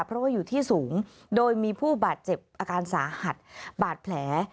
เพราะว่าอยู่ที่สูงโดยมีผู้บาดเจ็บอาการสาหัสบาดแผล